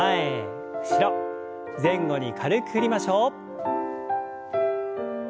前後に軽く振りましょう。